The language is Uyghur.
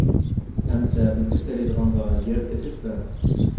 -ئەمىسە بىزگە تېرىيدىغانغا يەر تېپىپ بەر!